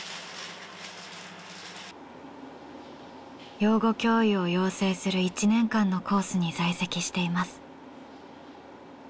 養護教諭を養成する１年間のコースに在籍しています。